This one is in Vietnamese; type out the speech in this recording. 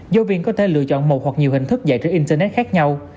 giáo viên có thể lựa chọn một hoặc nhiều hình thức dạy trên internet khác nhau